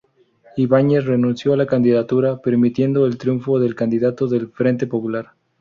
Ibáñez renunció a la candidatura, permitiendo el triunfo del candidato del Frente Popular.